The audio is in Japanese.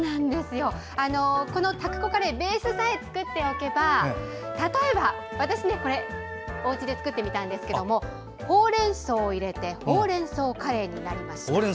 このタクコカレーベースさえ作っておけば例えば私、これをおうちで作ってみたんですけれどもほうれんそうを入れてほうれんそうカレーになりました。